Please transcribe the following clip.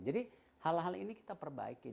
jadi hal hal ini kita perbaikin